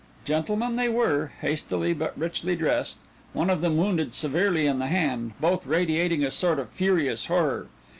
Gentlemen, they were, hastily but richly dressed one of them wounded severely in the hand, both radiating a sort of furious horror.